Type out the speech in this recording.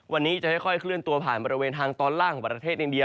วันนี้จะค่อยเคลื่อนตัวผ่านบริเวณทางตอนล่างของประเทศอินเดีย